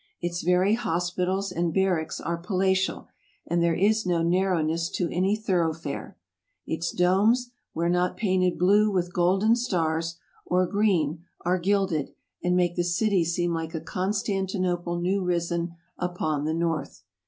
Its very hospitals and barracks are palatial, and there is no narrowness to any thoroughfare. Its domes, where not painted blue with golden stars, or green, are gilded, and make the city seem like a Constantinople new risen upon the North.